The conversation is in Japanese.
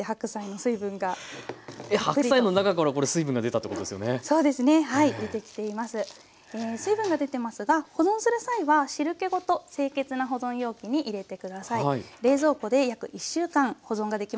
水分が出てますが保存する際は汁けごと清潔な保存容器に入れて下さいはい。